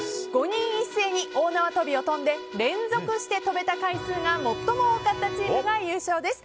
５人一斉に大縄跳びを跳んで連続して跳べた回数が最も多かったチームが優勝です。